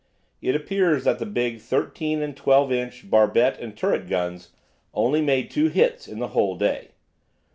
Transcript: It appears that the big 13 and 12 inch barbette and turret guns only made two hits in the whole day.